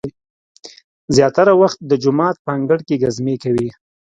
زیاتره وخت د جومات په انګړ کې ګزمې کوي.